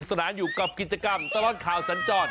สนานอยู่กับกิจกรรมตลอดข่าวสัญจร